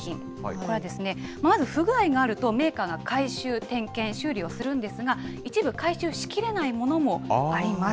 これはですね、まず不具合があると、メーカーが回収、点検、修理をするんですが、一部回収しきれないものもあります。